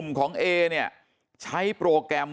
มันต้องการมาหาเรื่องมันจะมาแทงนะ